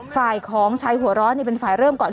ฝ่ายของชายหัวร้อนเป็นฝ่ายเริ่มก่อน